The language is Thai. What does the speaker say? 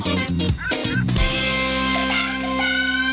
เพิ่มเวลา